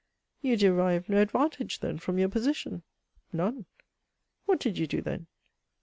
You derived no advantage then from your position ? None. What did you do then